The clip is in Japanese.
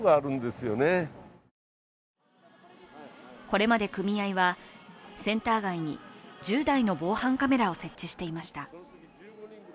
これまで組合は、センター街に１０台の防犯カメラを設置していました。